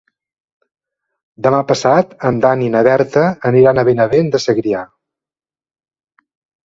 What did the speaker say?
Demà passat en Dan i na Berta aniran a Benavent de Segrià.